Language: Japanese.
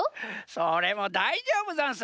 それもだいじょうぶざんす。